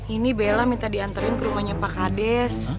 ini bella minta diantarin ke rumahnya pak kades